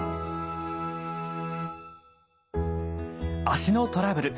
足のトラブル。